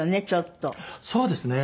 そうですね。